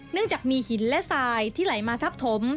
จากมีหินและสายที่ไหลมาทับถม